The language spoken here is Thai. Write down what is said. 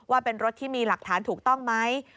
ว่าเป็นรถที่มีหลักฐานถูกต้องไหม